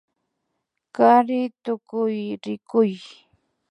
Kari tukuyrikuy